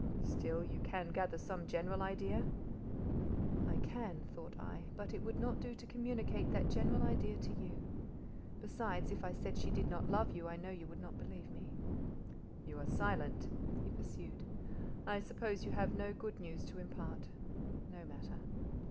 "Still, you can gather some general idea—?" "I can," thought I, "but it would not do to communicate that general idea to you. Besides, if I said she did not love you, I know you would not believe me." "You are silent," he pursued. "I suppose you have no good news to impart. No matter.